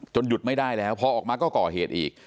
หยุดไม่ได้แล้วพอออกมาก็ก่อเหตุอีก